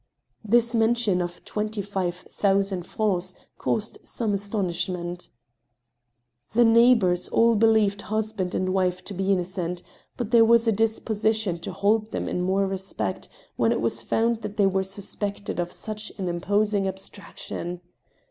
..." This mention of twenty five thousand francs caused some aston ishment. The neighbors all believed husband and wife to be innocent. But there was a disposition to hold them in more respect when it was found that they were suspected of such an imposing abstrac tion.